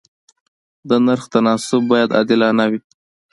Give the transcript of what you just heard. د نرخ تناسب باید عادلانه وي.